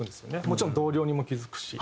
もちろん同僚にも気付くし。